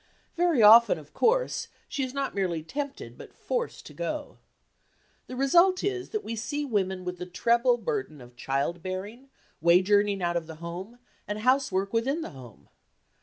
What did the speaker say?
Very often, of course, she is not merely tempted, but forced to go. The result is that we see women with the treble burden of child bearing, wage earning out of the home, and housework within the home.